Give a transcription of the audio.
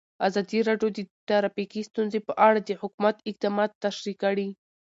ازادي راډیو د ټرافیکي ستونزې په اړه د حکومت اقدامات تشریح کړي.